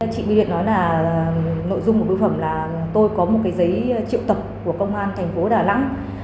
chị bưu điện nói là nội dung của bưu phẩm là tôi có một cái giấy triệu tập của công an thành phố đà lẵng